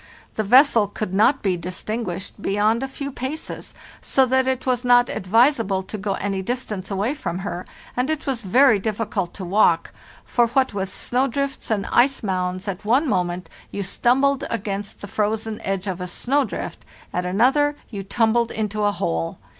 The vessel could not be distinguished beyond a few paces, so that it was not advisable to go any distance away from her, and it was very difficult to walk; for, what with snow drifts and ice mounds, at one moment you stumbled against the frozen edge of a snow drift, at another you tumbled into a hole.